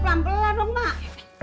pelan pelan dong mak